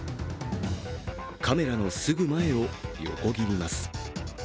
カメラのすぐ前を横切ります。